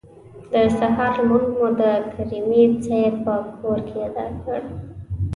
د سهار لمونځ مو د کریمي صیب په کور کې ادا کړ.